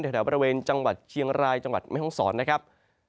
แถวบริเวณจังหวัดเชียงรายจังหวัดแม่ห้องศรนะครับ